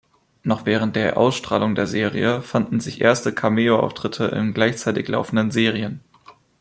Noch während der Ausstrahlung der Serie fanden sich erste Cameo-Auftritte in gleichzeitig laufenden Serien.